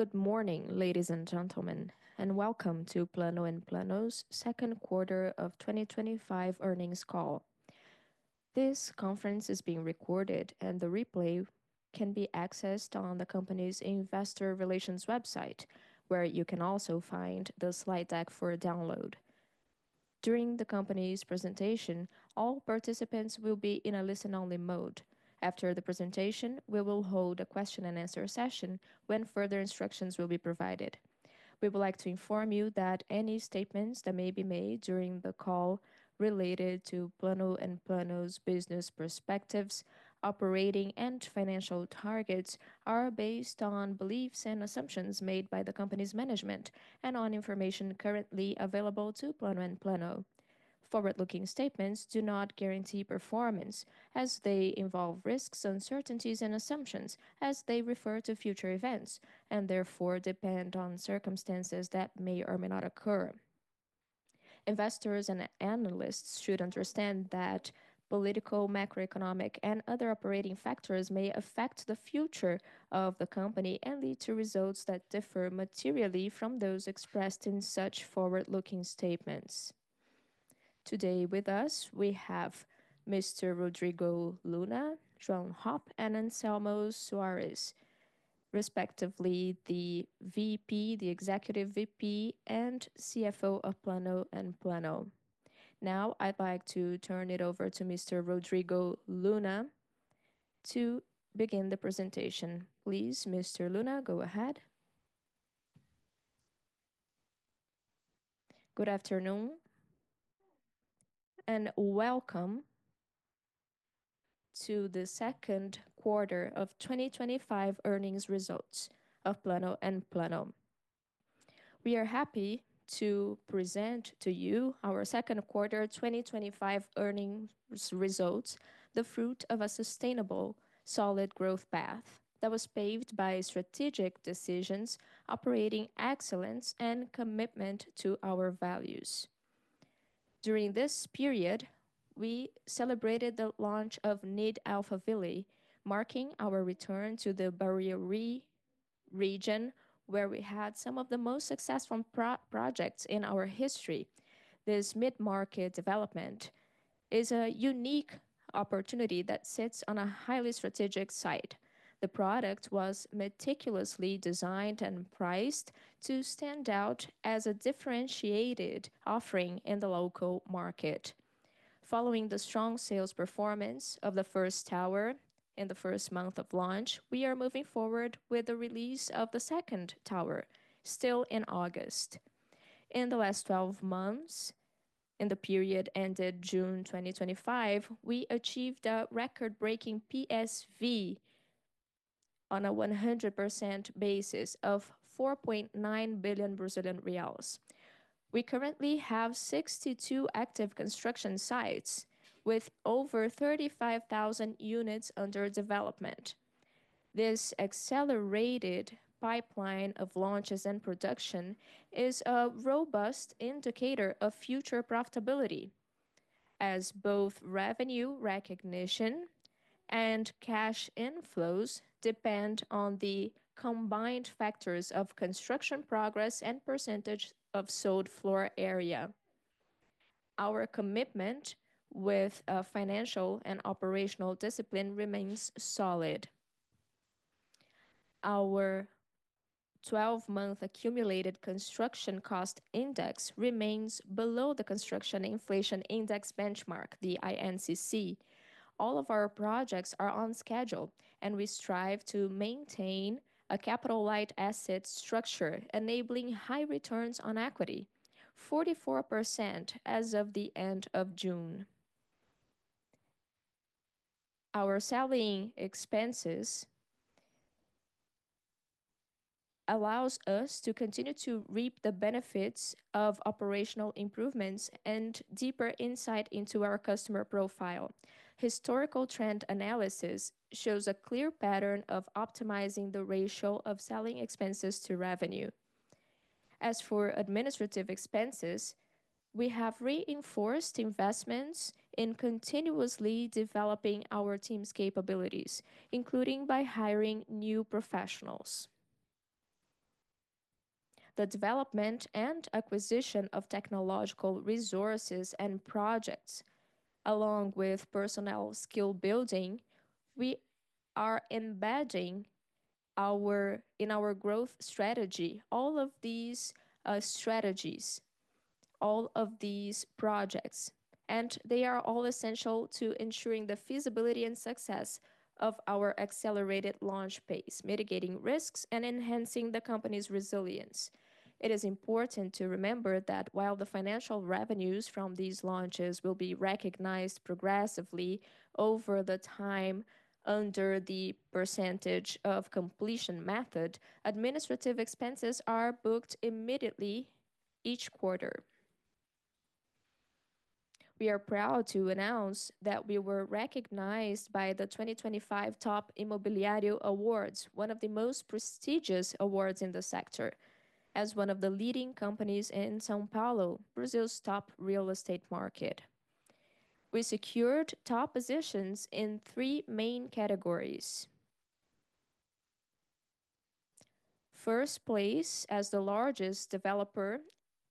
Good morning, ladies and gentlemen, and welcome to Plano&Plano's Second Quarter of 2025 Earnings Call. This conference is being recorded, and the replay can be accessed on the company's investor relations website, where you can also find the slide deck for download. During the company's presentation, all participants will be in a listen-only mode. After the presentation, we will hold a question and answer session when further instructions will be provided. We would like to inform you that any statements that may be made during the call related to Plano&Plano's business perspectives, operating and financial targets are based on beliefs and assumptions made by the company's management and on information currently available to Plano&Plano. Forward-looking statements do not guarantee performance as they involve risks, uncertainties and assumptions as they refer to future events and therefore depend on circumstances that may or may not occur. Investors and analysts should understand that political, macroeconomic, and other operating factors may affect the future of the company and lead to results that differ materially from those expressed in such forward-looking statements. Today with us, we have Mr. Rodrigo Luna, João Hopp and Anselmo Soares, respectively, the VP, the Executive VP and CFO of Plano&Plano. Now, I'd like to turn it over to Mr. Rodrigo Luna to begin the presentation. Please, Mr. Luna, go ahead. Good afternoon, and welcome to the Second Quarter of 2025 Earnings Results of Plano&Plano. We are happy to present to you our Second Quarter 2025 Earnings Results, the fruit of a sustainable, solid growth path that was paved by strategic decisions, operating excellence, and commitment to our values. During this period, we celebrated the launch of Nid Alphaville, marking our return to the Barueri region, where we had some of the most successful projects in our history. This mid-market development is a unique opportunity that sits on a highly strategic site. The product was meticulously designed and priced to stand out as a differentiated offering in the local market. Following the strong sales performance of the first tower in the first month of launch, we are moving forward with the release of the second tower still in August. In the last 12 months, in the period ended June 2025, we achieved a record-breaking PSV on a 100% basis of 4.9 billion Brazilian reais. We currently have 62 active construction sites with over 35,000 units under development. This accelerated pipeline of launches and production is a robust indicator of future profitability, as both revenue recognition and cash inflows depend on the combined factors of construction progress and percentage of sold floor area. Our commitment with financial and operational discipline remains solid. Our 12-month accumulated construction cost index remains below the construction inflation index benchmark, the INCC. All of our projects are on schedule, and we strive to maintain a capital-light asset structure enabling high returns on equity, 44% as of the end of June. Our selling expenses allows us to continue to reap the benefits of operational improvements and deeper insight into our customer profile. Historical trend analysis shows a clear pattern of optimizing the ratio of selling expenses to revenue. As for administrative expenses, we have reinforced investments in continuously developing our team's capabilities, including by hiring new professionals. The development and acquisition of technological resources and projects, along with personnel skill building, we are embedding in our growth strategy, all of these strategies, all of these projects, and they are all essential to ensuring the feasibility and success of our accelerated launch pace, mitigating risks and enhancing the company's resilience. It is important to remember that while the financial revenues from these launches will be recognized progressively over the time under the percentage of completion method, administrative expenses are booked immediately each quarter. We are proud to announce that we were recognized by the 2025 Top Imobiliário Awards, one of the most prestigious awards in the sector, as one of the leading companies in São Paulo, Brazil's top real estate market. We secured top positions in three main categories. First place as the largest developer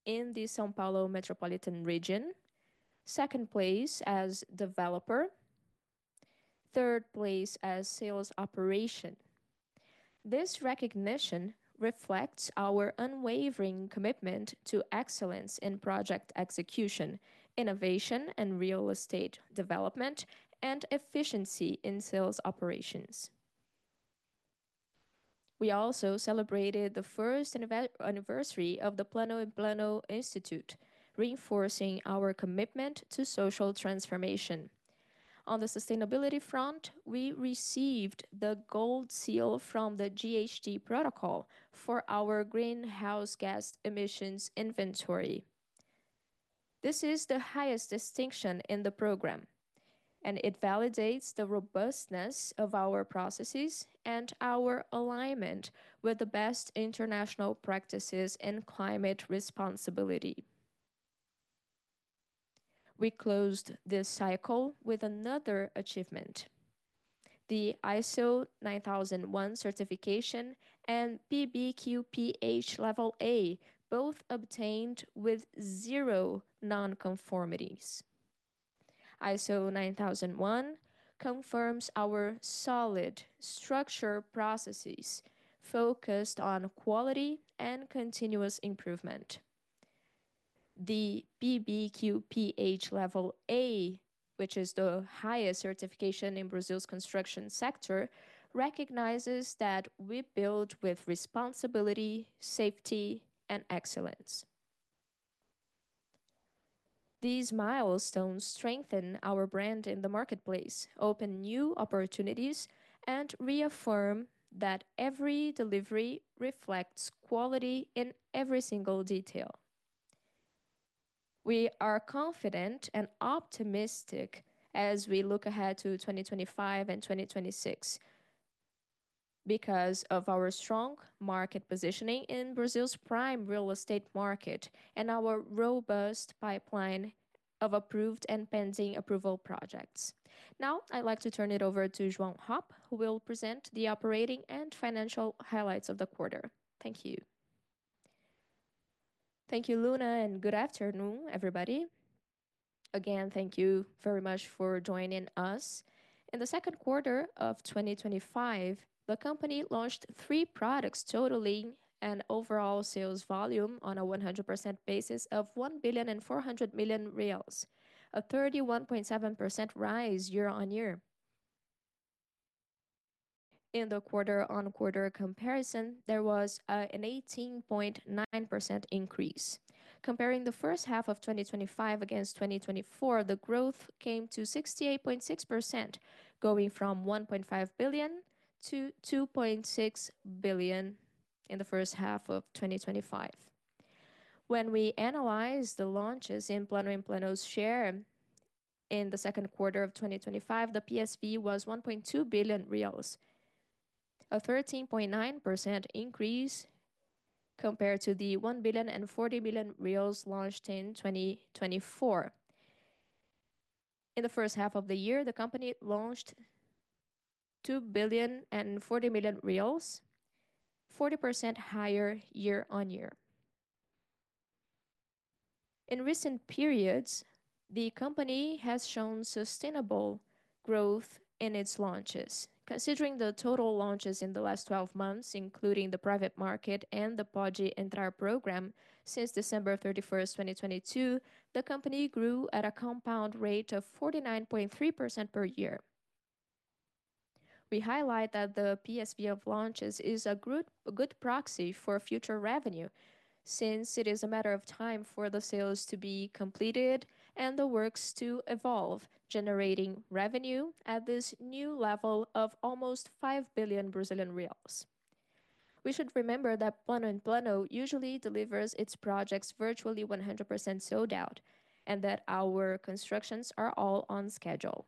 in the São Paulo Metropolitan region. Second place as developer. Third place as sales operation. This recognition reflects our unwavering commitment to excellence in project execution, innovation and real estate development, and efficiency in sales operations. We also celebrated the first anniversary of the Plano&Plano Institute, reinforcing our commitment to social transformation. On the sustainability front, we received the Gold Seal from the GHG Protocol for our greenhouse gas emissions inventory. This is the highest distinction in the program, and it validates the robustness of our processes and our alignment with the best international practices in climate responsibility. We closed this cycle with another achievement. The ISO 9001 certification and PBQP-H level A, both obtained with zero non-conformities. ISO 9001 confirms our solid structure processes focused on quality and continuous improvement. The PBQP-H level A, which is the highest certification in Brazil's construction sector, recognizes that we build with responsibility, safety, and excellence. These milestones strengthen our brand in the marketplace, open new opportunities, and reaffirm that every delivery reflects quality in every single detail. We are confident and optimistic as we look ahead to 2025 and 2026 because of our strong market positioning in Brazil's prime real estate market and our robust pipeline of approved and pending approval projects. Now, I'd like to turn it over to João Hopp, who will present the operating and financial highlights of the quarter. Thank you. Thank you, Luna, and good afternoon, everybody. Again, thank you very much for joining us. In the second quarter of 2025, the company launched three products totaling an overall sales volume on a 100% basis of 1.4 billion, a 31.7% rise year-on-year. In the quarter-on-quarter comparison, there was an 18.9% increase. Comparing the first half of 2025 against 2024, the growth came to 68.6%, going from 1.5 billion to 2.6 billion in the first half of 2025. When we analyze the launches in Plano&Plano's share in the second quarter of 2025, the PSV was 1.2 billion reais, a 13.9% increase compared to the 1.04 billion launched in 2024. In the first half of the year, the company launched BRL 2.04 billion, 40% higher year-on-year. In recent periods, the company has shown sustainable growth in its launches. Considering the total launches in the last 12 months, including the private market and the Pode Entrar program since December 31, 2022, the company grew at a compound rate of 49.3% per year. We highlight that the PSV of launches is a good proxy for future revenue since it is a matter of time for the sales to be completed and the works to evolve, generating revenue at this new level of almost 5 billion Brazilian reais. We should remember that Plano&Plano usually delivers its projects virtually 100% sold out, and that our constructions are all on schedule.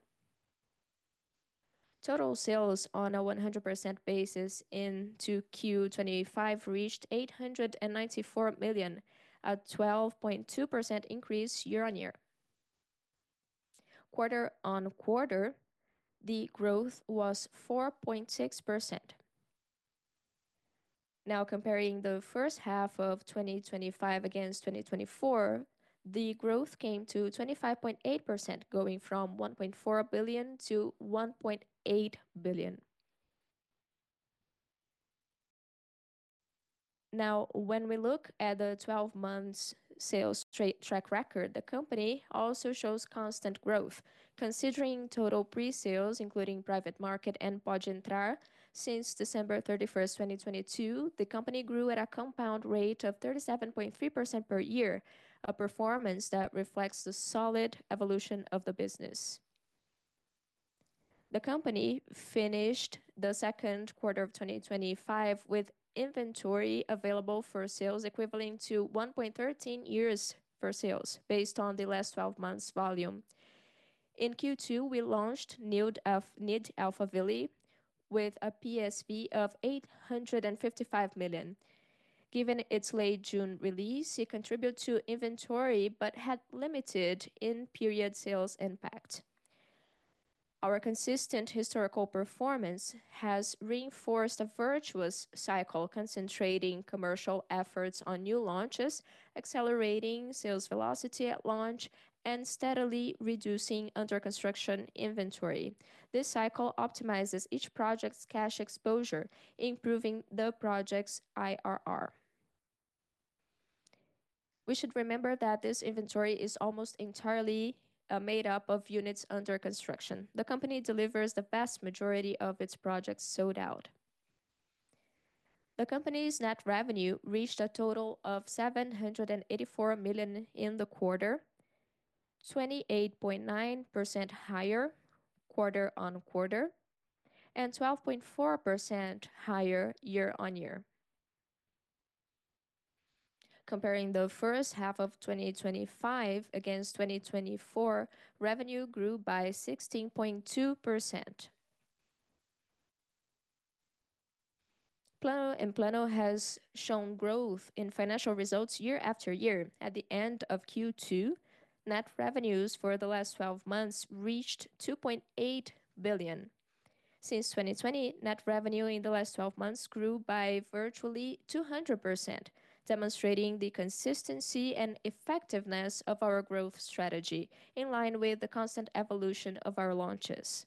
Total sales on a 100% basis into Q1 2025 reached 894 million, a 12.2% increase year-on-year. Quarter-on-quarter, the growth was 4.6%. Now comparing the first half of 2025 against 2024, the growth came to 25.8%, going from BRL 1.4 billion-BRL 1.8 billion. Now, when we look at the 12 months sales track record, the company also shows constant growth. Considering total pre-sales, including private market and Pode Entrar since December 31, 2022, the company grew at a compound rate of 37.3% per year, a performance that reflects the solid evolution of the business. The company finished the second quarter of 2025 with inventory available for sales equivalent to 1.13 years for sales based on the last 12 months volume. In Q2, we launched Nid Alphaville with a PSV of 855 million. Given its late June release, it contribute to inventory but had limited in period sales impact. Our consistent historical performance has reinforced a virtuous cycle, concentrating commercial efforts on new launches, accelerating sales velocity at launch, and steadily reducing under construction inventory. This cycle optimizes each project's cash exposure, improving the project's IRR. We should remember that this inventory is almost entirely made up of units under construction. The company delivers the vast majority of its projects sold out. The company's net revenue reached a total of 784 million in the quarter, 28.9% higher quarter-on-quarter, and 12.4% higher year-on-year. Comparing the first half of 2025 against 2024, revenue grew by 16.2%. Plano&Plano has shown growth in financial results year after year. At the end of Q2, net revenues for the last twelve months reached 2.8 billion. Since 2020, net revenue in the last twelve months grew by virtually 200%, demonstrating the consistency and effectiveness of our growth strategy in line with the constant evolution of our launches.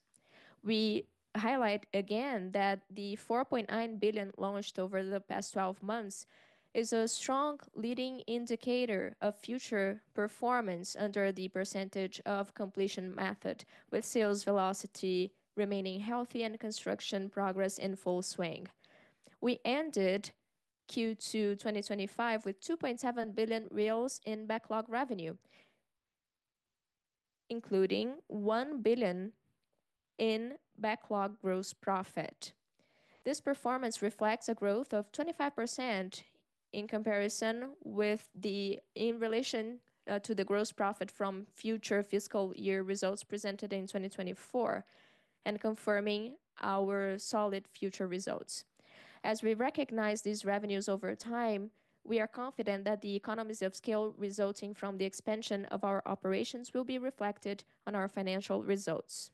We highlight again that the 4.9 billion launched over the past 12 months is a strong leading indicator of future performance under the percentage of completion method, with sales velocity remaining healthy and construction progress in full swing. We ended Q2 2025 with 2.7 billion reais in backlog revenue, including 1 billion in backlog gross profit. This performance reflects a growth of 25% in comparison with, in relation to, the gross profit from future fiscal year results presented in 2024 and confirming our solid future results. As we recognize these revenues over time, we are confident that the economies of scale resulting from the expansion of our operations will be reflected on our financial results.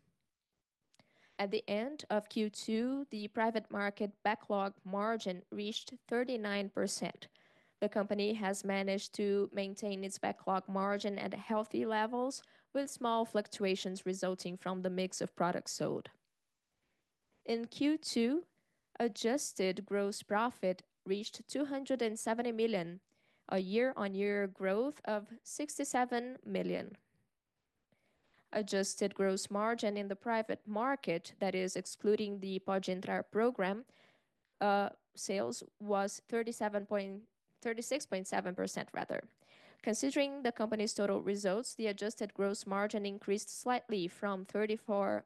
At the end of Q2, the private market backlog margin reached 39%. The company has managed to maintain its backlog margin at healthy levels with small fluctuations resulting from the mix of products sold. In Q2, adjusted gross profit reached 270 million, a year-on-year growth of 67 million. Adjusted gross margin in the private market that is excluding the Pode Entrar program sales was thirty-six point seven percent rather. Considering the company's total results, the adjusted gross margin increased slightly from 34%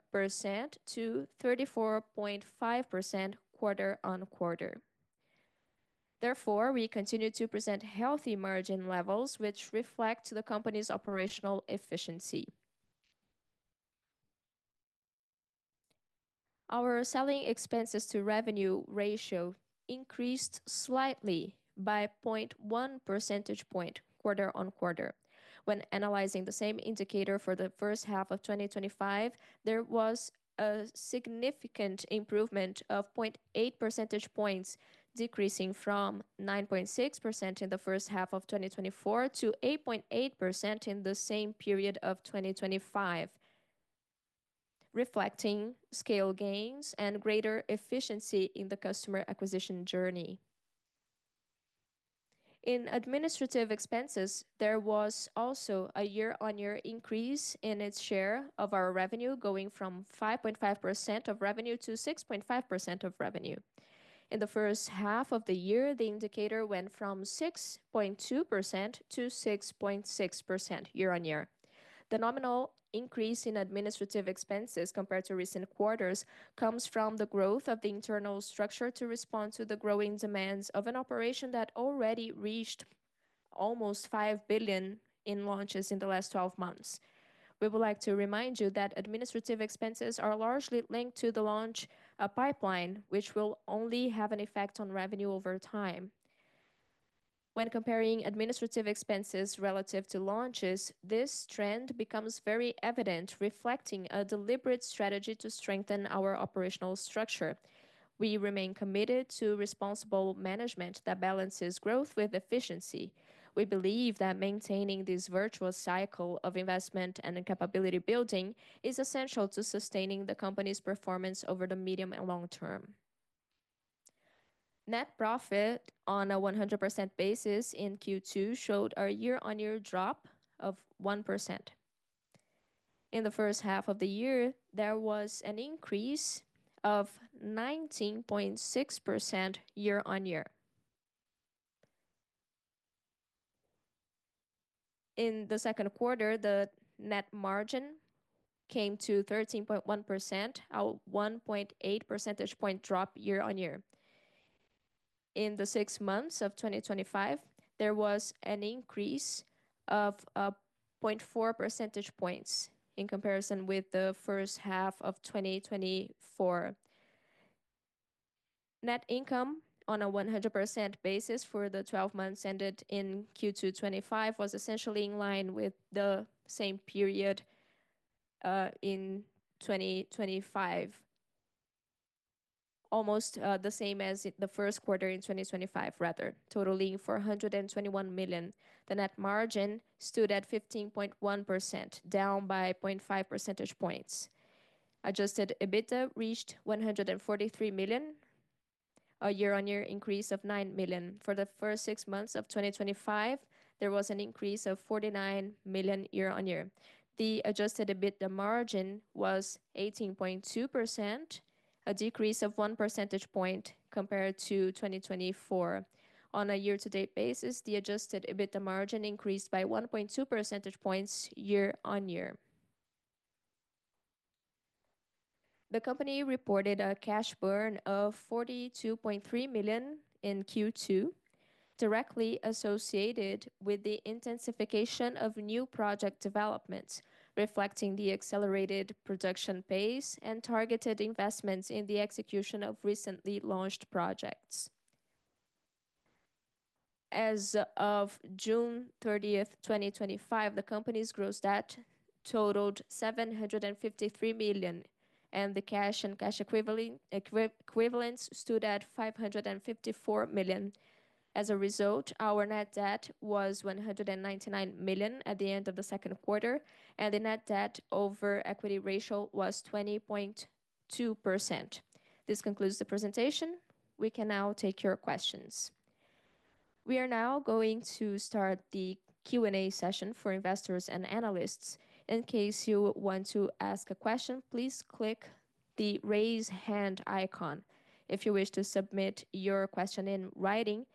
to 34.5% quarter-on-quarter. Therefore, we continue to present healthy margin levels which reflect the company's operational efficiency. Our selling expenses to revenue ratio increased slightly by 0.1 percentage point quarter-on-quarter. When analyzing the same indicator for the first half of 2025, there was a significant improvement of 0.8 percentage points, decreasing from 9.6% in the first half of 2024 to 8.8% in the same period of 2025, reflecting scale gains and greater efficiency in the customer acquisition journey. In administrative expenses, there was also a year-on-year increase in its share of our revenue, going from 5.5% of revenue to 6.5% of revenue. In the first half of the year, the indicator went from 6.2%-6.6% year-on-year. The nominal increase in administrative expenses compared to recent quarters comes from the growth of the internal structure to respond to the growing demands of an operation that already reached almost 5 billion in launches in the last twelve months. We would like to remind you that administrative expenses are largely linked to the launch pipeline, which will only have an effect on revenue over time. When comparing administrative expenses relative to launches, this trend becomes very evident, reflecting a deliberate strategy to strengthen our operational structure. We remain committed to responsible management that balances growth with efficiency. We believe that maintaining this virtual cycle of investment and capability building is essential to sustaining the company's performance over the medium and long term. Net profit on a 100% basis in Q2 showed a year-on-year drop of 1%. In the first half of the year, there was an increase of 19.6% year-on-year. In the second quarter, the net margin came to 13.1%, a 1.8 percentage point drop year-on-year. In the six months of 2025, there was an increase of 0.4 percentage points in comparison with the first half of 2024. Net income on a 100% basis for the twelve months ended in Q2 2025 was essentially in line with the same period in 2025. Almost the same as the first quarter in 2025 rather, totaling 421 million. The net margin stood at 15.1%, down by 0.5 percentage points. Adjusted EBITDA reached 143 million, a year-on-year increase of 9 million. For the first six months of 2025, there was an increase of 49 million year-on-year. The Adjusted EBITDA margin was 18.2%, a decrease of one percentage point compared to 2024. On a year-to-date basis, the Adjusted EBITDA margin increased by 1.2 percentage points year-on-year. The company reported a cash burn of 42.3 million in Q2, directly associated with the intensification of new project developments, reflecting the accelerated production pace and targeted investments in the execution of recently launched projects. As of June 30, 2025, the company's gross debt totaled 753 million, and the cash and cash equivalents stood at 554 million. As a result, our net debt was 199 million at the end of the second quarter, and the net debt over equity ratio was 20.2%. This concludes the presentation. We can now take your questions. We are now going to start the Q&A session for investors and analysts. In case you want to ask a question, please click the Raise Hand icon. If you wish to submit your question in writing,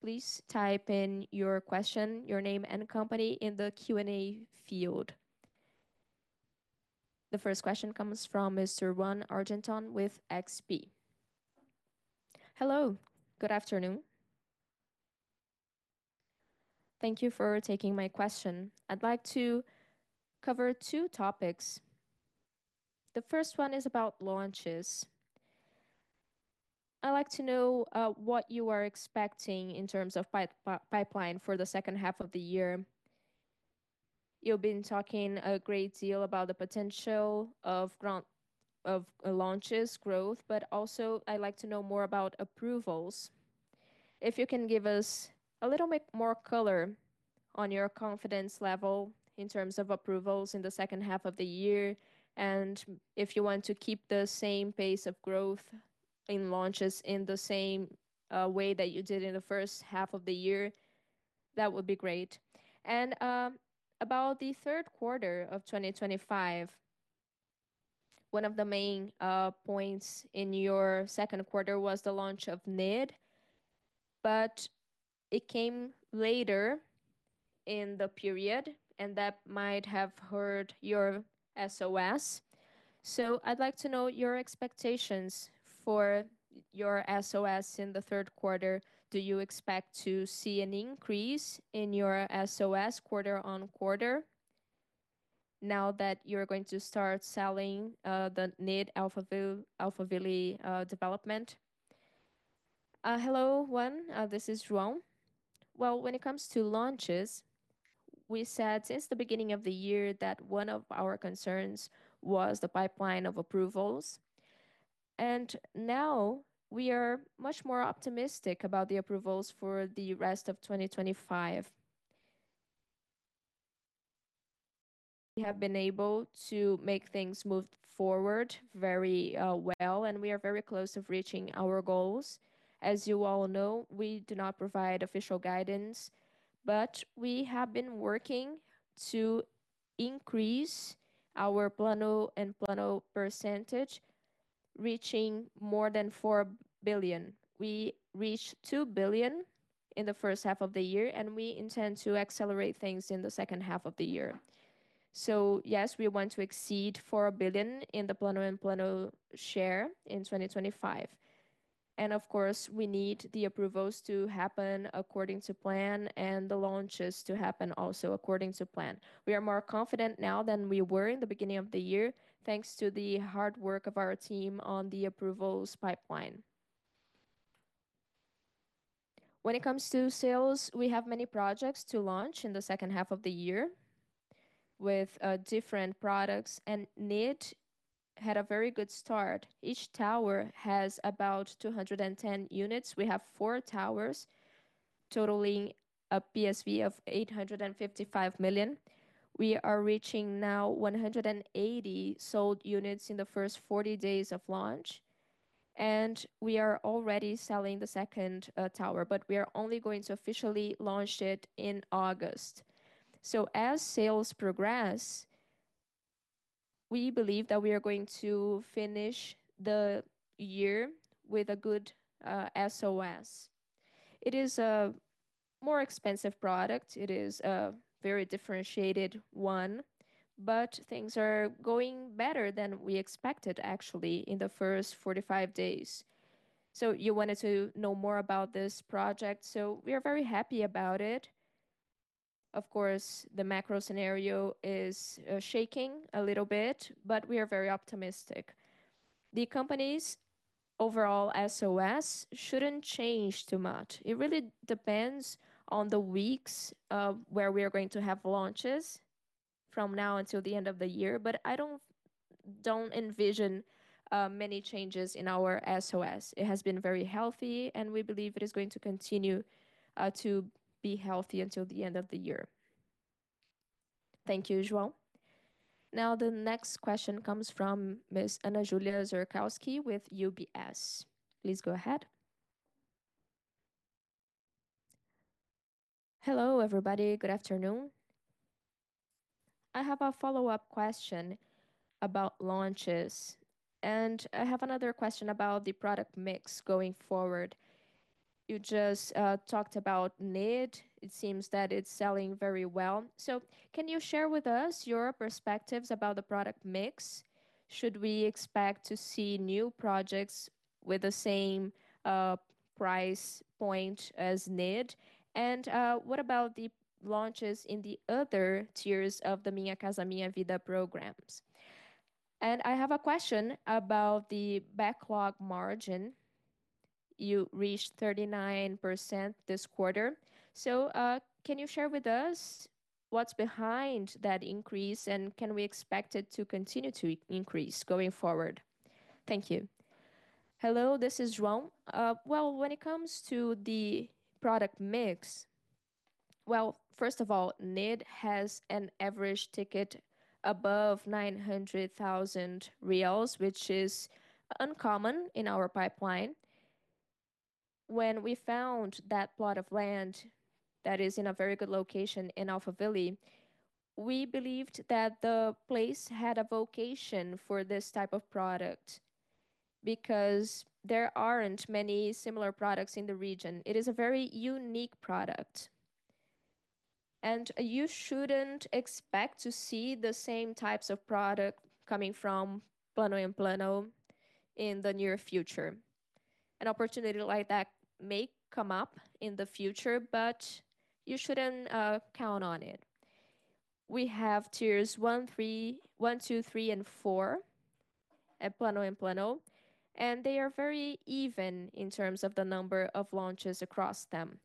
please type in your question, your name, and company in the Q&A field. The first question comes from Mr. Ruan Argenton with XP. Hello, good afternoon. Thank you for taking my question. I'd like to cover two topics. The first one is about launches. I'd like to know what you are expecting in terms of pipeline for the second half of the year. You've been talking a great deal about the potential of launches growth, but also I'd like to know more about approvals. If you can give us a little bit more color on your confidence level in terms of approvals in the second half of the year, and if you want to keep the same pace of growth in launches in the same way that you did in the first half of the year, that would be great. About the third quarter of 2025, one of the main points in your second quarter was the launch of Nid, but it came later in the period, and that might have hurt your VSO. I'd like to know your expectations for your VSO in the third quarter. Do you expect to see an increase in your VSO quarter-over-quarter now that you're going to start selling the Nid Alphaville development? Hello, Ruan. This is João. Well, when it comes to launches, we said since the beginning of the year that one of our concerns was the pipeline of approvals. Now we are much more optimistic about the approvals for the rest of 2025. We have been able to make things move forward very well, and we are very close to reaching our goals. As you all know, we do not provide official guidance, but we have been working to increase our Plano&Plano percentage, reaching more than 4 billion. We reached 2 billion in the first half of the year, and we intend to accelerate things in the second half of the year. Yes, we want to exceed 4 billion in the Plano&Plano share in 2025. Of course, we need the approvals to happen according to plan and the launches to happen also according to plan. We are more confident now than we were in the beginning of the year, thanks to the hard work of our team on the approvals pipeline. When it comes to sales, we have many projects to launch in the second half of the year with different products, and Nid had a very good start. Each tower has about 210 units. We have four towers totaling a PSV of 855 million. We are reaching now 180 sold units in the first 40 days of launch, and we are already selling the second tower, but we are only going to officially launch it in August. As sales progress, we believe that we are going to finish the year with a good VSO. It is a more expensive product. It is a very differentiated one, but things are going better than we expected, actually, in the first 45 days. You wanted to know more about this project, so we are very happy about it. Of course, the macro scenario is shaking a little bit, but we are very optimistic. The company's overall VSO shouldn't change too much. It really depends on the weeks of where we are going to have launches from now until the end of the year. But I don't envision many changes in our VSO. It has been very healthy, and we believe it is going to continue to be healthy until the end of the year. Thank you, João. Now, the next question comes from Miss Ana Júlia Zerkowski with UBS. Please go ahead. Hello, everybody. Good afternoon. I have a follow-up question about launches, and I have another question about the product mix going forward. You just talked about Nid. It seems that it's selling very well. Can you share with us your perspectives about the product mix? Should we expect to see new projects with the same price point as Nid? What about the launches in the other tiers of the Minha Casa, Minha Vida programs? I have a question about the backlog margin. You reached 39% this quarter. Can you share with us what's behind that increase, and can we expect it to continue to increase going forward? Thank you. Hello, this is João. Well, when it comes to the product mix, well, first of all, Nid has an average ticket above 900,000 reais, which is uncommon in our pipeline. When we found that plot of land that is in a very good location in Alphaville, we believed that the place had a vocation for this type of product because there aren't many similar products in the region. It is a very unique product. You shouldn't expect to see the same types of product coming from Plano&Plano in the near future. An opportunity like that may come up in the future, but you shouldn't count on it. We have tiers one, two, three, and four at Plano&Plano, and they are very even in terms of the number of launches across them.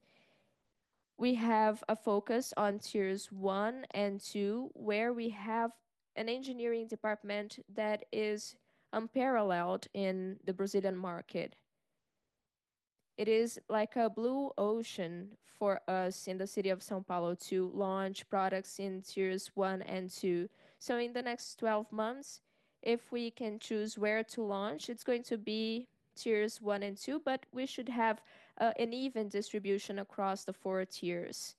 We have a focus on tiers one and two, where we have an engineering department that is unparalleled in the Brazilian market. It is like a blue ocean for us in the city of São Paulo to launch products in tiers one and two. In the next 12 months, if we can choose where to launch, it's going to be tiers one and two, but we should have an even distribution across the four tiers.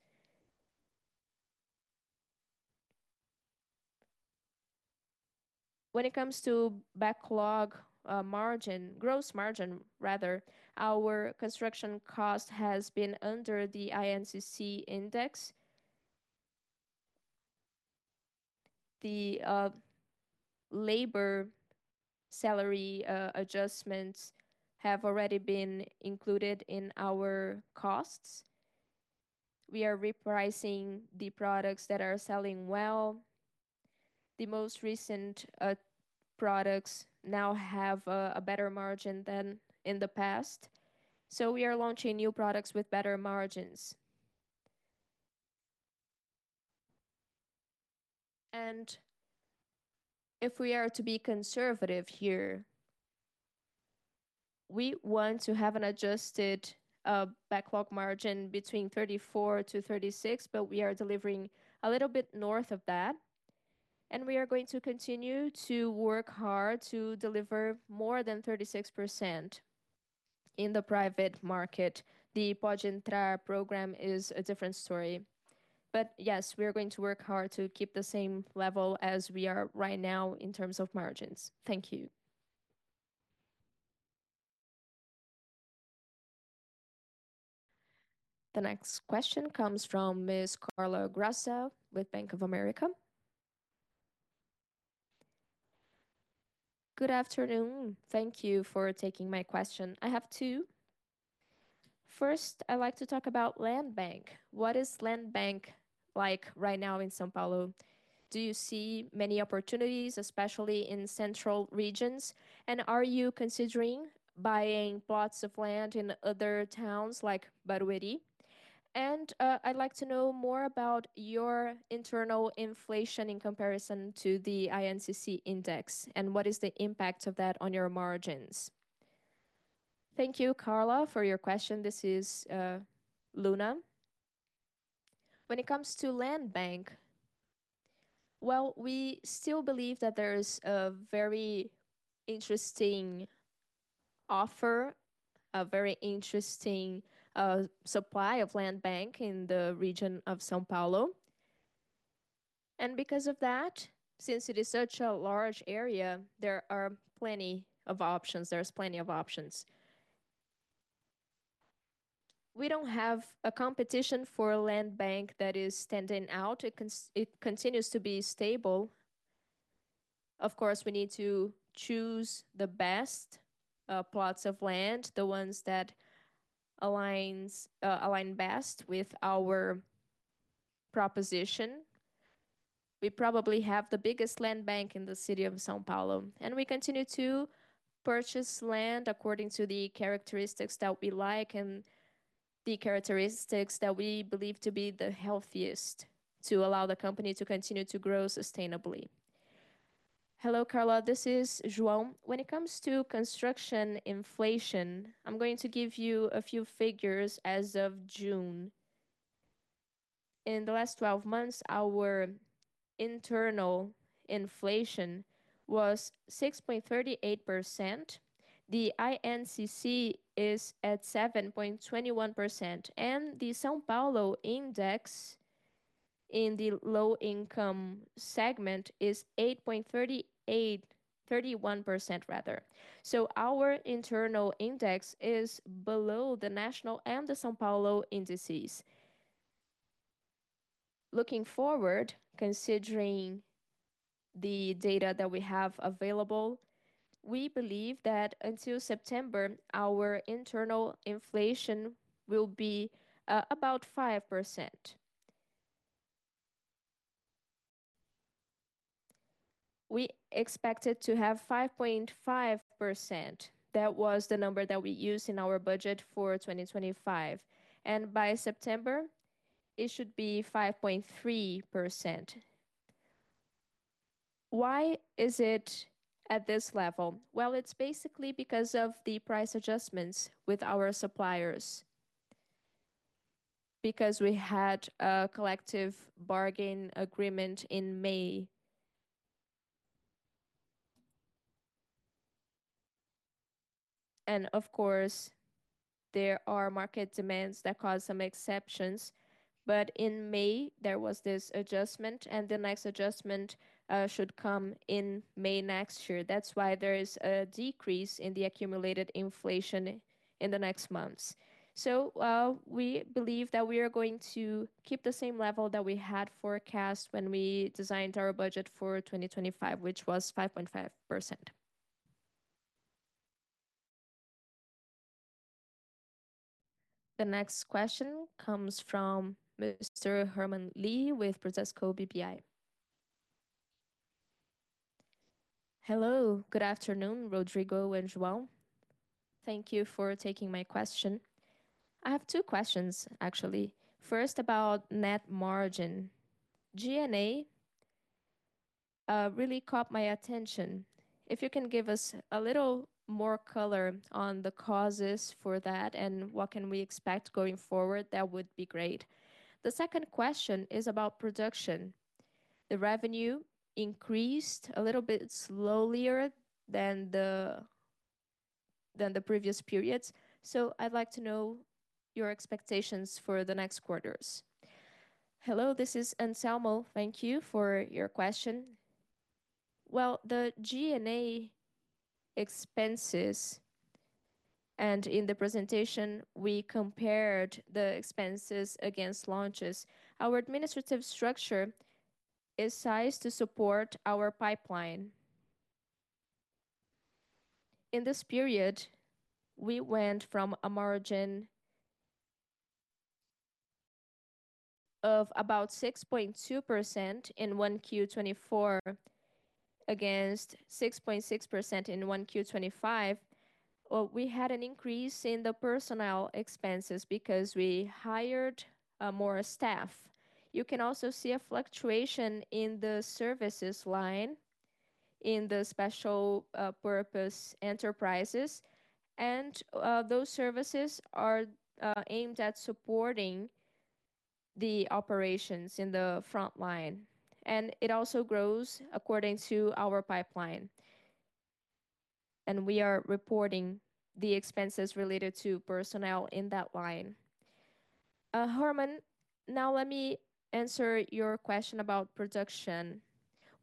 When it comes to backlog, margin. Gross margin, rather, our construction cost has been under the INCC index. The labor salary adjustments have already been included in our costs. We are repricing the products that are selling well. The most recent products now have a better margin than in the past. We are launching new products with better margins. If we are to be conservative here, we want to have an adjusted backlog margin between 34%-36%, but we are delivering a little bit north of that, and we are going to continue to work hard to deliver more than 36% in the private market. The Pode Entrar program is a different story. Yes, we are going to work hard to keep the same level as we are right now in terms of margins. Thank you. The next question comes from Ms. Carla Graça with Bank of America. Good afternoon. Thank you for taking my question. I have two. First, I'd like to talk about land bank. What is land bank like right now in São Paulo? Do you see many opportunities, especially in central regions? And are you considering buying plots of land in other towns like Barueri? I'd like to know more about your internal inflation in comparison to the INCC index. What is the impact of that on your margins? Thank you, Carla, for your question. This is Luna. When it comes to land bank, well, we still believe that there's a very interesting offer, a very interesting supply of land bank in the region of São Paulo. Because of that, since it is such a large area, there are plenty of options. We don't have a competition for land bank that is standing out. It continues to be stable. Of course, we need to choose the best plots of land, the ones that align best with our proposition. We probably have the biggest land bank in the city of São Paulo. We continue to purchase land according to the characteristics that we like and the characteristics that we believe to be the healthiest to allow the company to continue to grow sustainably. Hello, Carla. This is João. When it comes to construction inflation, I'm going to give you a few figures as of June. In the last twelve months, our internal inflation was 6.38%. The INCC is at 7.21%, and the São Paulo index in the low income segment is 8.31% rather. Our internal index is below the national and the São Paulo indices. Looking forward, considering the data that we have available, we believe that until September, our internal inflation will be about 5%. We expected to have 5.5%. That was the number that we used in our budget for 2025. By September, it should be 5.3%. Why is it at this level? Well, it's basically because of the price adjustments with our suppliers. Because we had a collective bargaining agreement in May. Of course, there are market demands that cause some exceptions. In May, there was this adjustment, and the next adjustment should come in May next year. That's why there is a decrease in the accumulated inflation in the next months. We believe that we are going to keep the same level that we had forecast when we designed our budget for 2025, which was 5.5%. The next question comes from Mr. Herman Lee with Bradesco BBI. Hello, good afternoon, Rodrigo and João. Thank you for taking my question. I have two questions, actually. First, about net margin. G&A really caught my attention. If you can give us a little more color on the causes for that and what can we expect going forward, that would be great. The second question is about production. The revenue increased a little bit slowlier than the previous periods, so I'd like to know your expectations for the next quarters. Hello, this is Anselmo Soares. Thank you for your question. Well, the G&A expenses, and in the presentation, we compared the expenses against launches. Our administrative structure is sized to support our pipeline. In this period, we went from a margin of about 6.2% in 1Q 2024 against 6.6% in 1Q 2025. We had an increase in the personnel expenses because we hired more staff. You can also see a fluctuation in the services line in the special purpose enterprises. Those services are aimed at supporting the operations in the front line, and it also grows according to our pipeline. We are reporting the expenses related to personnel in that line. Herman, now let me answer your question about production.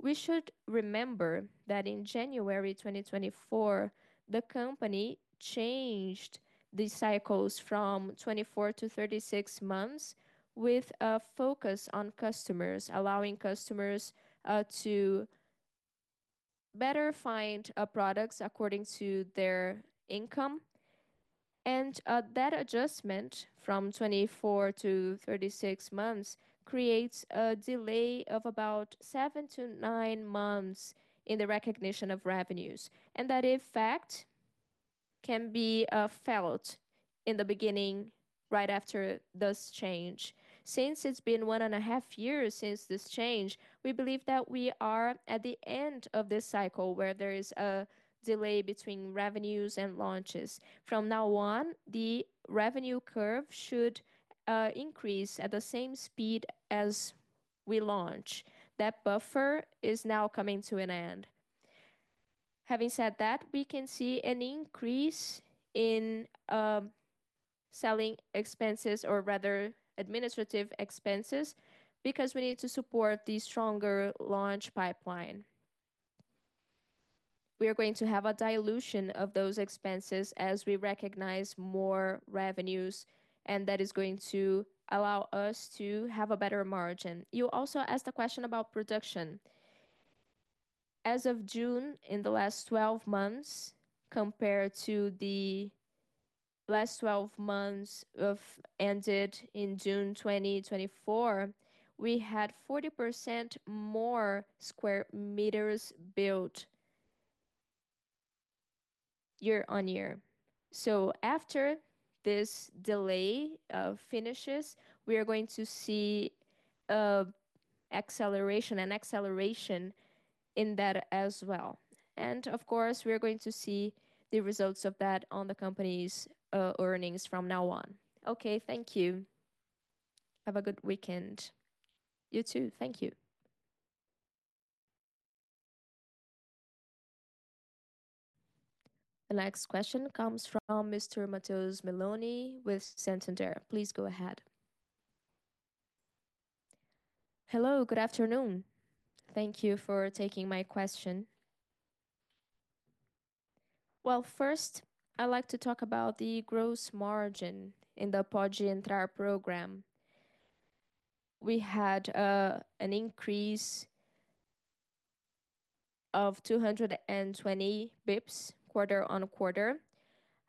We should remember that in January 2024, the company changed the cycles from 24-36 months with a focus on customers, allowing customers to better find products according to their income. That adjustment from 24 -36 months creates a delay of about 7-9 months in the recognition of revenues. That effect can be felt in the beginning, right after this change. Since it's been 1.5 years since this change, we believe that we are at the end of this cycle where there is a delay between revenues and launches. From now on, the revenue curve should increase at the same speed as we launch. That buffer is now coming to an end. Having said that, we can see an increase in selling expenses or rather administrative expenses because we need to support the stronger launch pipeline. We are going to have a dilution of those expenses as we recognize more revenues, and that is going to allow us to have a better margin. You also asked a question about production. As of June, in the last 12 months compared to the last 12 months ended in June 2024, we had 40% more square meters built year-on-year. After this delay finishes, we are going to see acceleration in that as well. Of course, we are going to see the results of that on the company's earnings from now on. Okay. Thank you. Have a good weekend. You too. Thank you. The next question comes from Mr. Matheus Meloni with Santander. Please go ahead. Hello. Good afternoon. Thank you for taking my question. Well, first, I'd like to talk about the gross margin in the Pode Entrar program. We had an increase of 220 basis points quarter-on-quarter.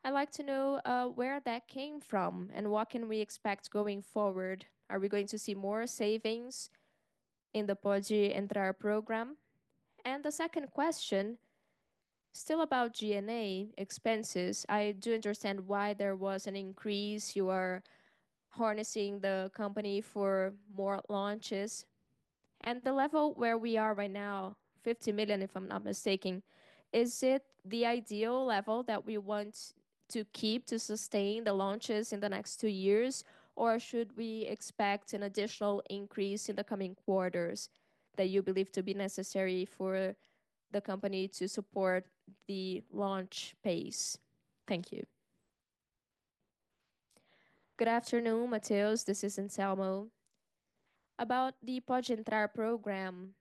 I'd like to know where that came from and what can we expect going forward. Are we going to see more savings in the Pode Entrar program? And the second question, still about G&A expenses, I do understand why there was an increase. You are expanding the company for more launches. The level where we are right now, 50 million, if I'm not mistaken, is it the ideal level that we want to keep to sustain the launches in the next two years? Or should we expect an additional increase in the coming quarters that you believe to be necessary for the company to support the launch pace? Thank you. Good afternoon, Matheus. This is Anselmo. About the Pode Entrar program,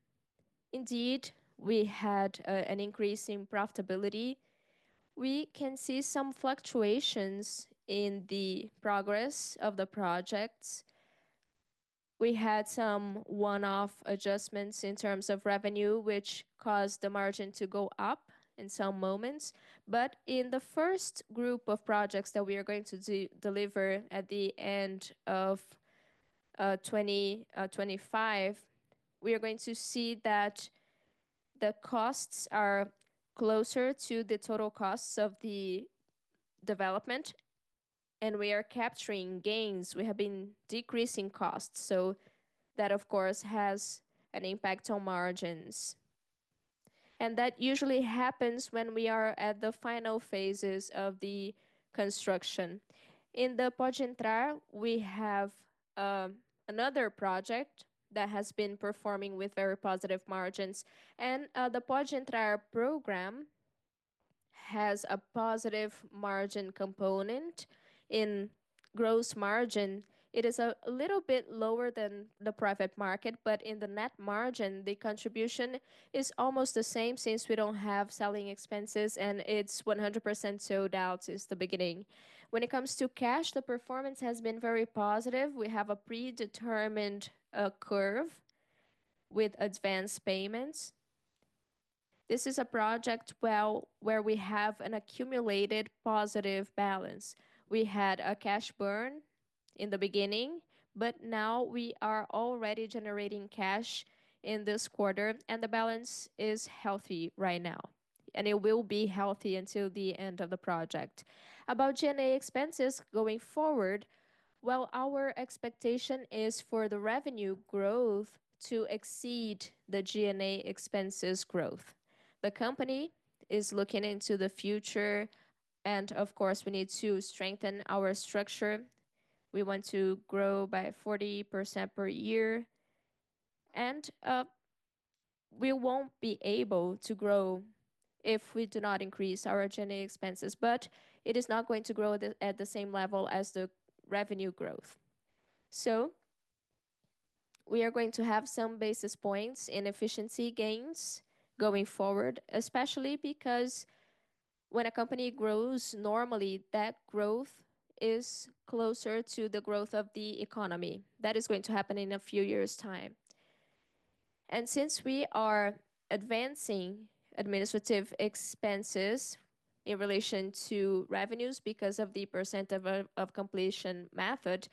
indeed, we had an increase in profitability. We can see some fluctuations in the progress of the projects. We had some one-off adjustments in terms of revenue, which caused the margin to go up in some moments. In the first group of projects that we are going to deliver at the end of 2025, we are going to see that the costs are closer to the total costs of the development, and we are capturing gains. We have been decreasing costs, so that, of course, has an impact on margins. That usually happens when we are at the final phases of the construction. In the Pode Entrar, we have another project that has been performing with very positive margins. The Pode Entrar program has a positive margin component. In gross margin, it is a little bit lower than the private market, but in the net margin, the contribution is almost the same since we don't have selling expenses and it's 100% sold out since the beginning. When it comes to cash, the performance has been very positive. We have a predetermined curve with advanced payments. This is a project where we have an accumulated positive balance. We had a cash burn in the beginning, but now we are already generating cash in this quarter, and the balance is healthy right now, and it will be healthy until the end of the project. About G&A expenses going forward, well, our expectation is for the revenue growth to exceed the G&A expenses growth. The company is looking into the future, and of course, we need to strengthen our structure. We want to grow by 40% per year. We won't be able to grow if we do not increase our G&A expenses, but it is not going to grow at the same level as the revenue growth. We are going to have some basis points in efficiency gains going forward, especially because when a company grows normally, that growth is closer to the growth of the economy. That is going to happen in a few years' time. Since we are advancing administrative expenses in relation to revenues because of the percent of completion method,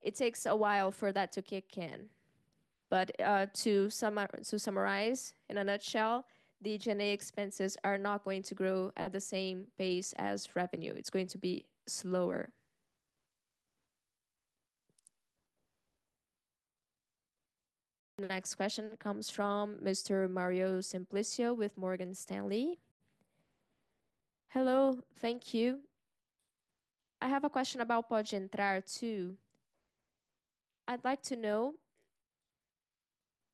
it takes a while for that to kick in. To summarize, in a nutshell, the G&A expenses are not going to grow at the same pace as revenue. It's going to be slower. The next question comes from Mr. Mario Simplicio with Morgan Stanley. Hello. Thank you. I have a question about Pode Entrar too. I'd like to know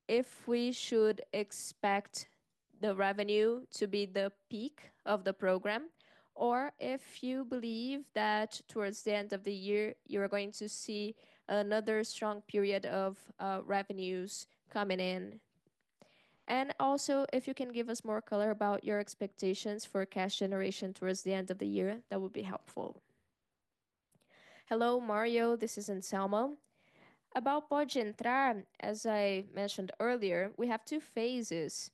if we should expect the revenue to be the peak of the program, or if you believe that towards the end of the year, you are going to see another strong period of revenues coming in. Also, if you can give us more color about your expectations for cash generation towards the end of the year, that would be helpful. Hello, Mario. This is Anselmo. About Pode Entrar, as I mentioned earlier, we have two phases.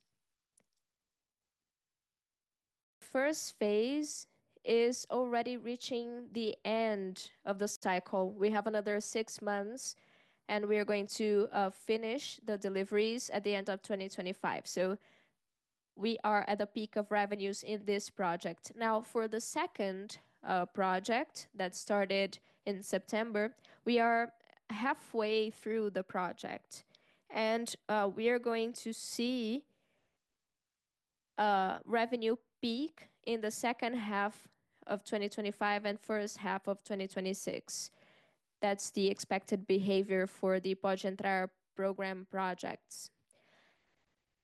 First phase is already reaching the end of the cycle. We have another six months, and we are going to finish the deliveries at the end of 2025. We are at the peak of revenues in this project. Now, for the second project that started in September, we are halfway through the project and we are going to see a revenue peak in the second half of 2025 and first half of 2026. That's the expected behavior for the Pode Entrar program projects.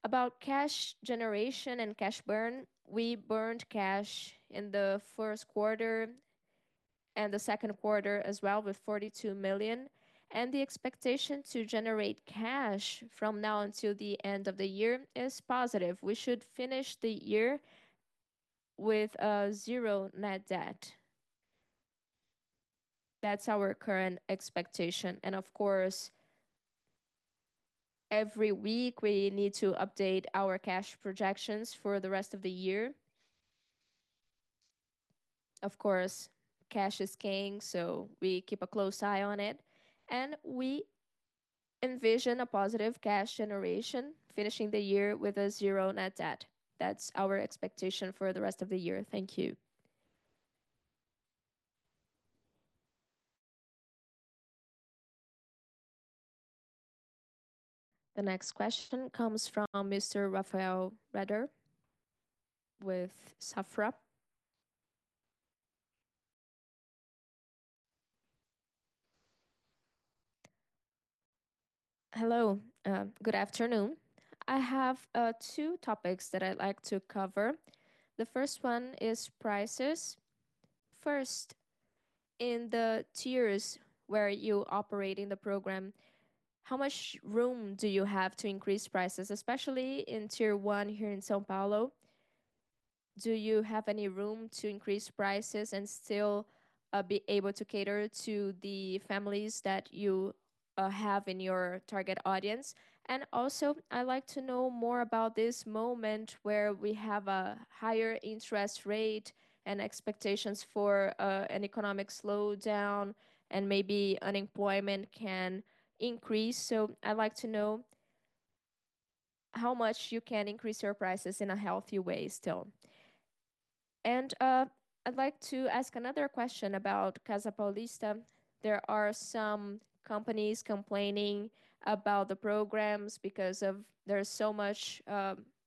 About cash generation and cash burn. We burned cash in the first quarter and the second quarter as well with 42 million. The expectation to generate cash from now until the end of the year is positive. We should finish the year with zero net debt. That's our current expectation. Of course, every week we need to update our cash projections for the rest of the year. Of course, cash is king, so we keep a close eye on it, and we envision a positive cash generation finishing the year with a zero net debt. That's our expectation for the rest of the year. Thank you. The next question comes from Mr. Rafael Rehder with Safra. Hello. Good afternoon. I have two topics that I'd like to cover. The first one is prices. First, in the tiers where you operate in the program, how much room do you have to increase prices, especially in tier one here in São Paulo? Do you have any room to increase prices and still be able to cater to the families that you have in your target audience? And also, I like to know more about this moment where we have a higher interest rate and expectations for an economic slowdown and maybe unemployment can increase. So I like to know how much you can increase your prices in a healthy way still. And I'd like to ask another question about Casa Paulista. There are some companies complaining about the programs because of there's so much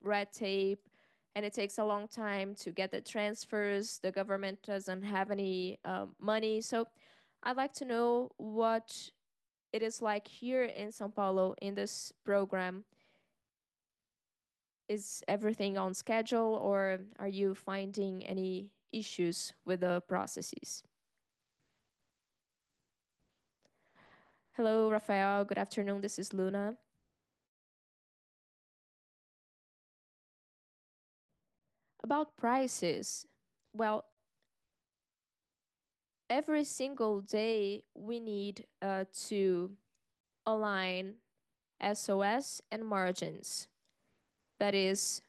red tape, and it takes a long time to get the transfers. The government doesn't have any money. I'd like to know what it is like here in São Paulo in this program. Is everything on schedule, or are you finding any issues with the processes? Hello, Rafael. Good afternoon. This is Rodrigo Luna. About prices. Well, every single day we need to align VSO and margins. That is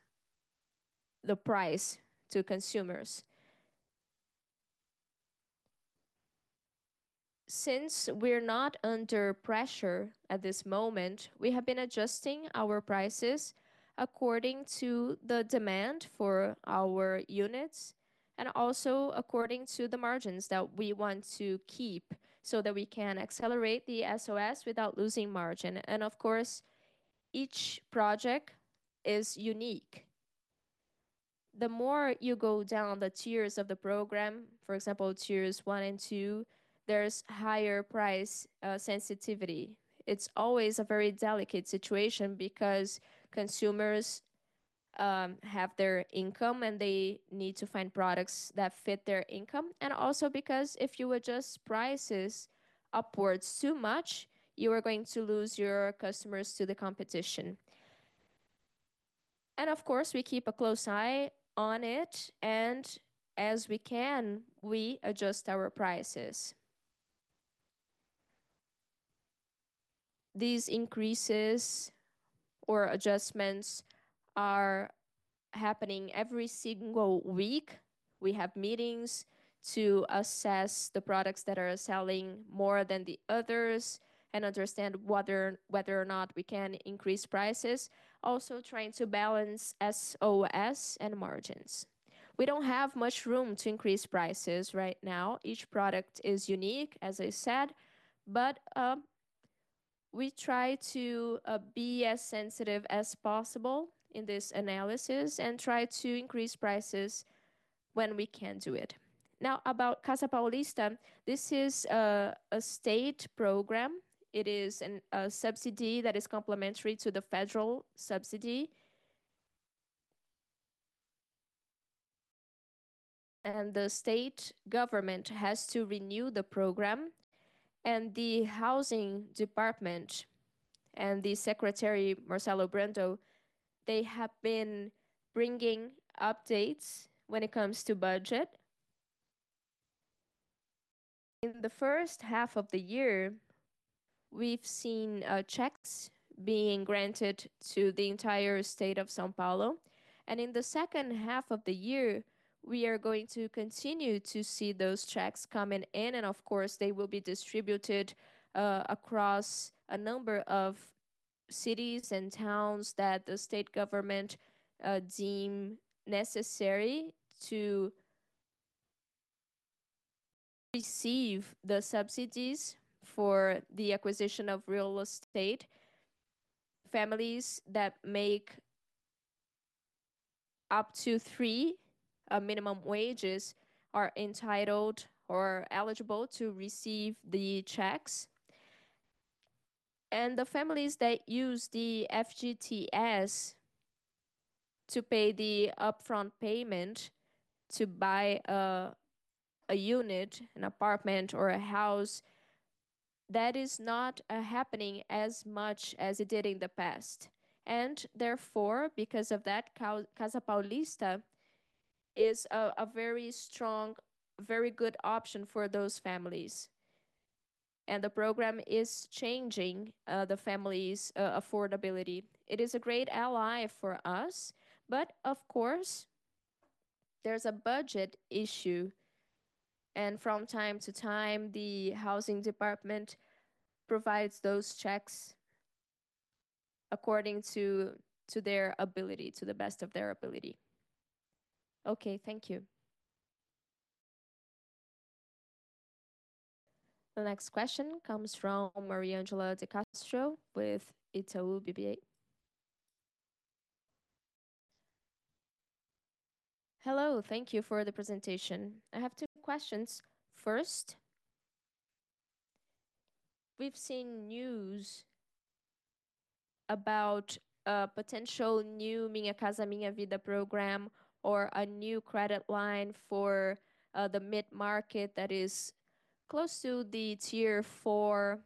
the price to consumers. Since we're not under pressure at this moment, we have been adjusting our prices according to the demand for our units and also according to the margins that we want to keep so that we can accelerate the VSO without losing margin. Of course, each project is unique. The more you go down the tiers of the program, for example, tiers one and two, there's higher price sensitivity. It's always a very delicate situation because consumers have their income, and they need to find products that fit their income, and also because if you adjust prices upwards too much, you are going to lose your customers to the competition. Of course, we keep a close eye on it, and as we can, we adjust our prices. These increases or adjustments are happening every single week. We have meetings to assess the products that are selling more than the others and understand whether or not we can increase prices. Also trying to balance VSO and margins. We don't have much room to increase prices right now. Each product is unique, as I said. We try to be as sensitive as possible in this analysis and try to increase prices when we can do it. Now, about Casa Paulista. This is a state program. It is an subsidy that is complementary to the federal subsidy. The state government has to renew the program. The housing department and the Secretary Marcelo Cardinale, they have been bringing updates when it comes to budget. In the first half of the year, we've seen checks being granted to the entire state of São Paulo. In the second half of the year, we are going to continue to see those checks coming in, and of course, they will be distributed across a number of cities and towns that the state government deem necessary to receive the subsidies for the acquisition of real estate. Families that make up to three minimum wages are entitled or eligible to receive the checks. The families that use the FGTS to pay the upfront payment to buy a unit, an apartment or a house, that is not happening as much as it did in the past. Therefore, because of that, Casa Paulista is a very strong, very good option for those families. The program is changing the family's affordability. It is a great ally for us, but of course, there's a budget issue and from time to time, the housing department provides those checks according to their ability, to the best of their ability. Okay. Thank you. The next question comes from Mariangela Castro with Itaú BBA. Hello. Thank you for the presentation. I have two questions. First, we've seen news about a potential new Minha Casa, Minha Vida program or a new credit line for the mid-market that is close to the tier four.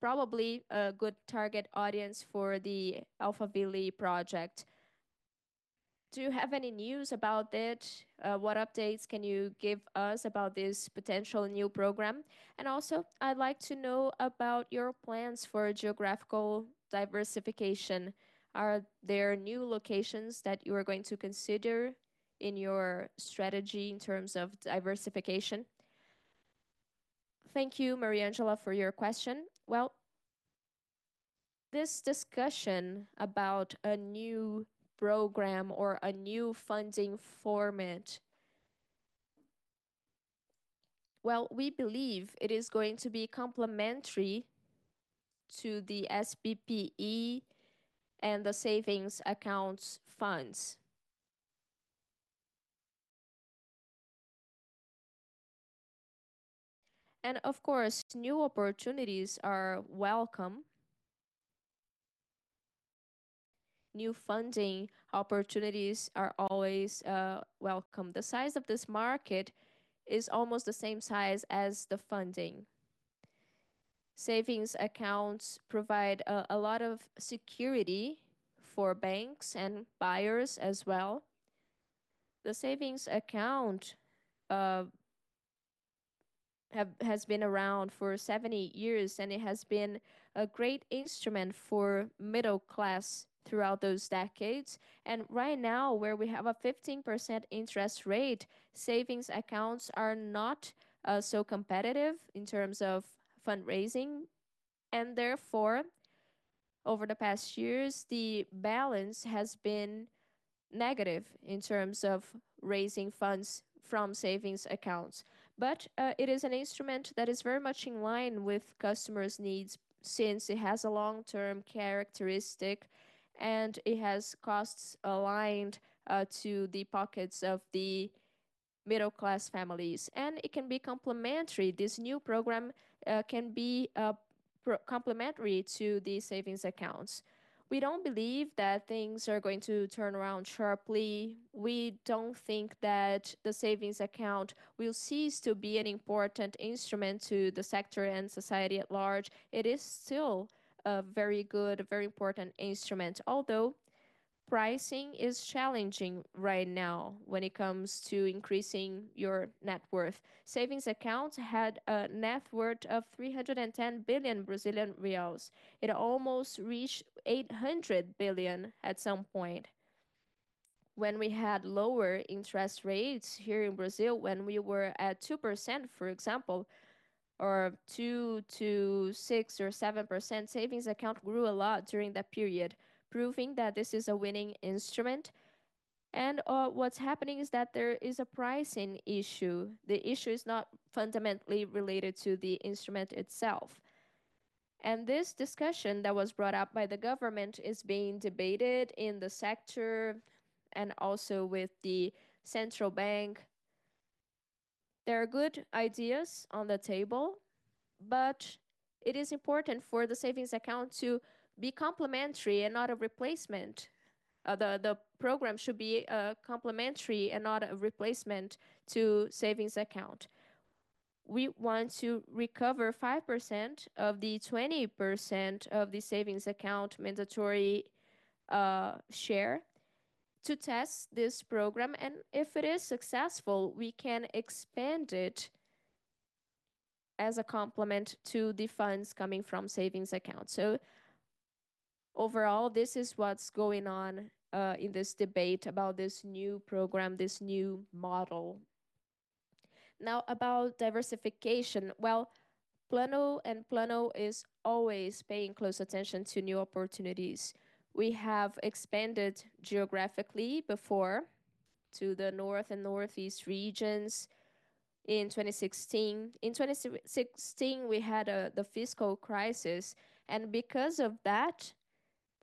Probably a good target audience for the Alphaville project. Do you have any news about it? What updates can you give us about this potential new program? Also, I'd like to know about your plans for geographical diversification. Are there new locations that you are going to consider in your strategy in terms of diversification? Thank you, Mariangela, for your question. Well, this discussion about a new program or a new funding format. Well, we believe it is going to be complementary to the SBPE and the savings accounts funds. Of course, new opportunities are welcome. New funding opportunities are always welcome. The size of this market is almost the same size as the funding. Savings accounts provide a lot of security for banks and buyers as well. The savings account has been around for 70 years, and it has been a great instrument for middle class throughout those decades. Right now, where we have a 15% interest rate, savings accounts are not so competitive in terms of fundraising. Therefore, over the past years, the balance has been negative in terms of raising funds from savings accounts. It is an instrument that is very much in line with customers' needs since it has a long-term characteristic and it has costs aligned to the pockets of the middle class families. It can be complementary. This new program can be complementary to the savings accounts. We don't believe that things are going to turn around sharply. We don't think that the savings account will cease to be an important instrument to the sector and society at large. It is still a very good, very important instrument, although pricing is challenging right now when it comes to increasing your net worth. Savings accounts had a net worth of 310 billion Brazilian reais. It almost reached 800 billion at some point when we had lower interest rates here in Brazil, when we were at 2%, for example, or 2%-6% or 7%. Savings account grew a lot during that period, proving that this is a winning instrument. What's happening is that there is a pricing issue. The issue is not fundamentally related to the instrument itself. This discussion that was brought up by the government is being debated in the sector and also with the central bank. There are good ideas on the table. It is important for the savings account to be complementary and not a replacement. The program should be complementary and not a replacement to savings account. We want to recover 5% of the 20% of the savings account mandatory share to test this program. If it is successful, we can expand it as a complement to the funds coming from savings account. Overall, this is what's going on in this debate about this new program, this new model. Now, about diversification. Well, Plano&Plano is always paying close attention to new opportunities. We have expanded geographically before to the north and northeast regions in 2016. In 2016, we had the fiscal crisis. Because of that,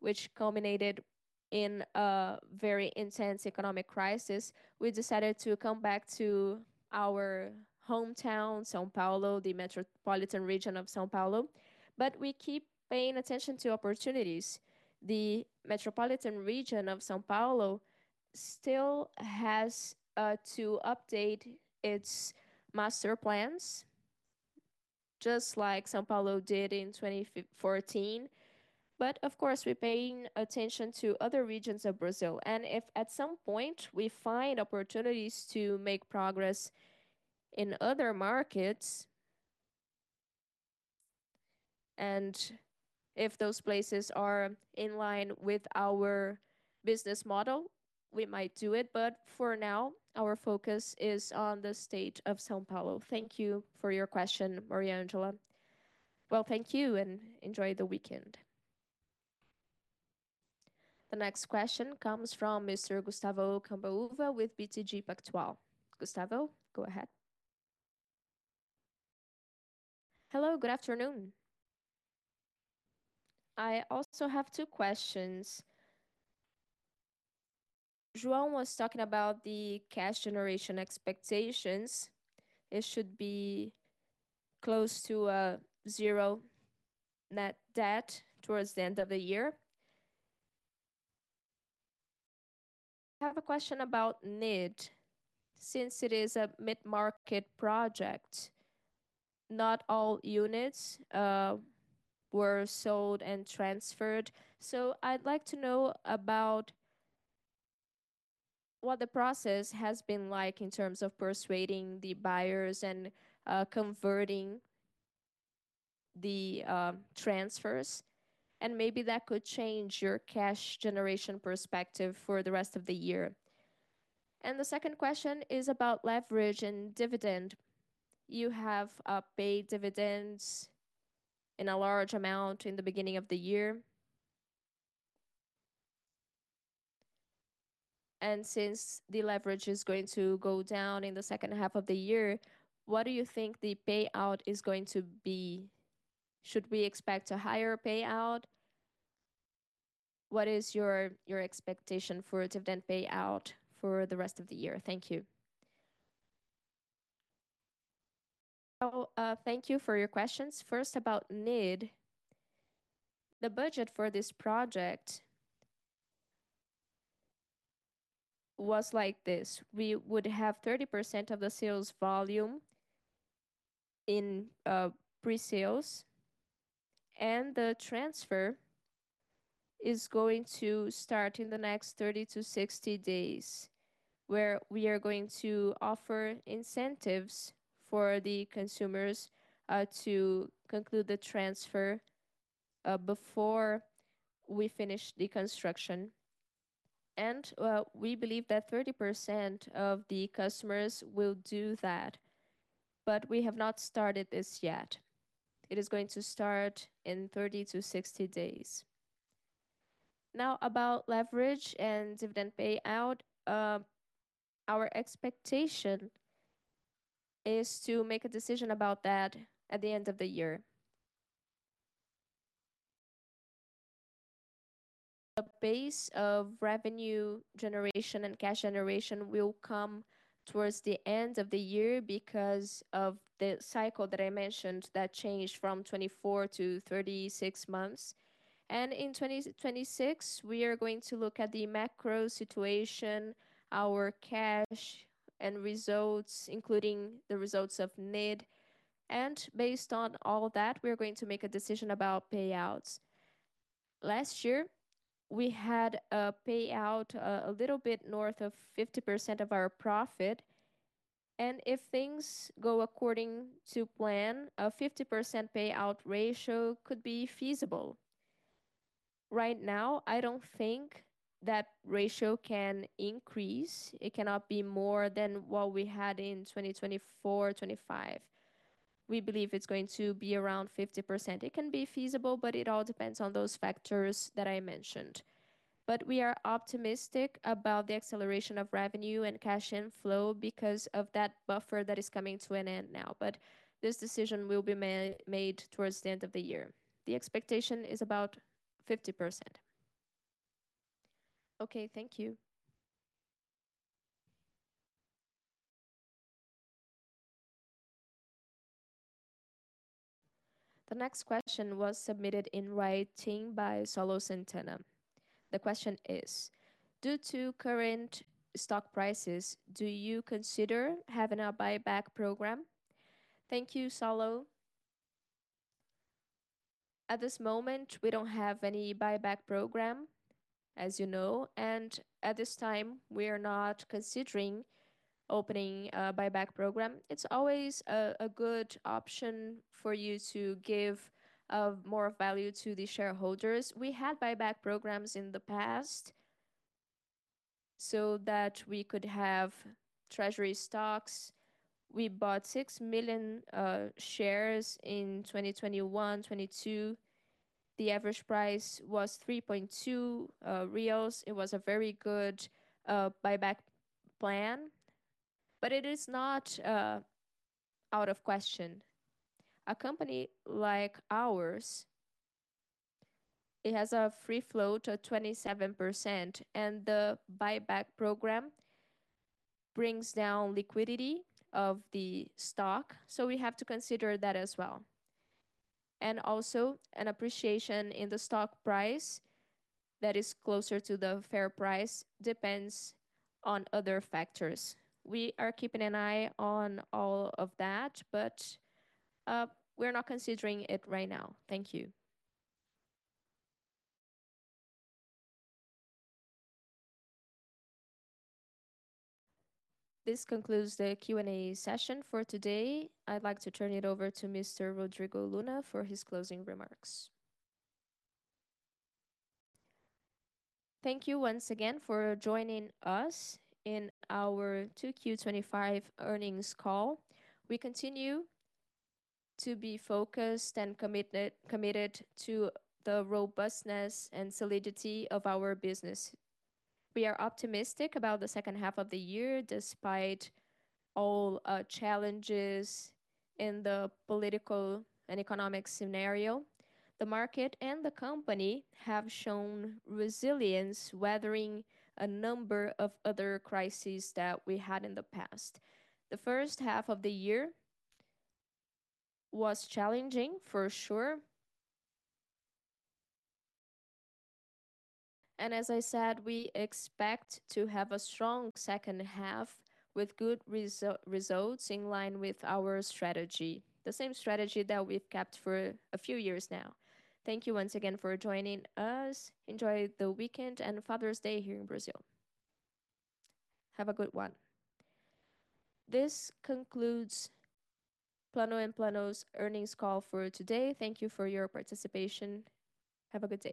which culminated in a very intense economic crisis, we decided to come back to our hometown, São Paulo, the metropolitan region of São Paulo. We keep paying attention to opportunities. The metropolitan region of São Paulo still has to update its master plans, just like São Paulo did in 2014. Of course, we're paying attention to other regions of Brazil. If at some point we find opportunities to make progress in other markets, and if those places are in line with our business model, we might do it. For now, our focus is on the state of São Paulo. Thank you for your question, Mariangela. Well, thank you, and enjoy the weekend. The next question comes from Mr. Gustavo Cambauva with BTG Pactual. Gustavo, go ahead. Hello, good afternoon. I also have two questions. João was talking about the cash generation expectations. It should be close to zero net debt towards the end of the year. I have a question about Nid. Since it is a mid-market project, not all units were sold and transferred. I'd like to know about what the process has been like in terms of persuading the buyers and converting the transfers, and maybe that could change your cash generation perspective for the rest of the year. The second question is about leverage and dividend. You have paid dividends in a large amount in the beginning of the year. Since the leverage is going to go down in the second half of the year, what do you think the payout is going to be? Should we expect a higher payout? What is your expectation for dividend payout for the rest of the year? Thank you. Thank you for your questions. First, about Nid. The budget for this project was like this. We would have 30% of the sales volume in pre-sales, and the transfer is going to start in the next 30-60 days, where we are going to offer incentives for the consumers to conclude the transfer before we finish the construction. We believe that 30% of the customers will do that. But we have not started this yet. It is going to start in 30-60 days. Now, about leverage and dividend payout. Our expectation is to make a decision about that at the end of the year. A base of revenue generation and cash generation will come towards the end of the year because of the cycle that I mentioned that changed from 24 to 36 months. In 2026, we are going to look at the macro situation, our cash and results, including the results of Nid. Based on all that, we are going to make a decision about payouts. Last year, we had a payout a little bit north of 50% of our profit. If things go according to plan, a 50% payout ratio could be feasible. Right now, I don't think that ratio can increase. It cannot be more than what we had in 2024-2025. We believe it's going to be around 50%. It can be feasible, but it all depends on those factors that I mentioned. We are optimistic about the acceleration of revenue and cash inflow because of that buffer that is coming to an end now. This decision will be made towards the end of the year. The expectation is about 50%. Okay, thank you. The next question was submitted in writing by Saulo Santana. The question is: Due to current stock prices, do you consider having a buyback program? Thank you, Solo. At this moment, we don't have any buyback program, as you know, and at this time we are not considering opening a buyback program. It's always a good option for you to give more value to the shareholders. We had buyback programs in the past so that we could have treasury stocks. We bought 6 million shares in 2021, 2022. The average price was 3.2 reais. It was a very good buyback plan, but it is not out of question. A company like ours, it has a free float to 27% and the buyback program brings down liquidity of the stock, so we have to consider that as well. Also an appreciation in the stock price that is closer to the fair price depends on other factors. We are keeping an eye on all of that, but we're not considering it right now. Thank you. This concludes the Q&A session for today. I'd like to turn it over to Mr. Rodrigo Luna for his closing remarks. Thank you once again for joining us in our 2Q 2025 earnings call. We continue to be focused and committed to the robustness and solidity of our business. We are optimistic about the second half of the year, despite all challenges in the political and economic scenario. The market and the company have shown resilience, weathering a number of other crises that we had in the past. The first half of the year was challenging for sure. As I said, we expect to have a strong second half with good results in line with our strategy, the same strategy that we've kept for a few years now. Thank you once again for joining us. Enjoy the weekend and Father's Day here in Brazil. Have a good one. This concludes Plano&Plano's earnings call for today. Thank you for your participation. Have a good day.